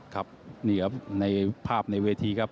ครับนี่ครับภาพแต่ว่า